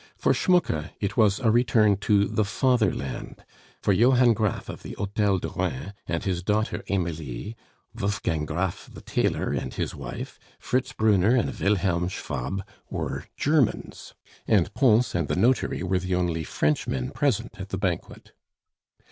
For Schmucke it was a return to the Fatherland; for Johann Graff of the Hotel du Rhin and his daughter Emilie, Wolfgang Graff the tailor and his wife, Fritz Brunner and Wilhelm Schwab, were Germans, and Pons and the notary were the only Frenchmen present at the banquet.